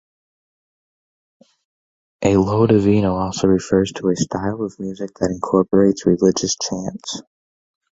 A lo divino also refers to a style of music that incorporates religious chants.